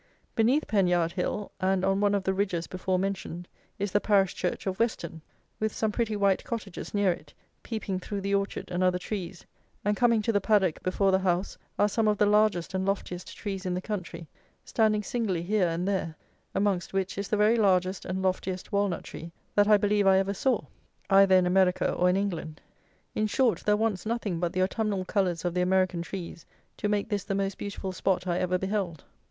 Beneath Penyard Hill, and on one of the ridges before mentioned, is the parish church of Weston, with some pretty white cottages near it, peeping through the orchard and other trees; and coming to the paddock before the house are some of the largest and loftiest trees in the country, standing singly here and there, amongst which is the very largest and loftiest walnut tree that I believe I ever saw, either in America or in England. In short, there wants nothing but the autumnal colours of the American trees to make this the most beautiful spot I ever beheld.